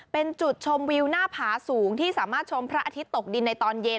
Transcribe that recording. เป็นจุดชมวิวหน้าผาสูงที่สามารถชมพระอาทิตย์ตกดินในตอนเย็น